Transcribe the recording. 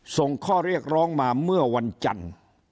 ส่งข้อเรียกร้องมาเมื่อวันจันทร์